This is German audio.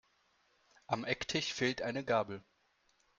Am Ecktisch fehlt eine Gabel.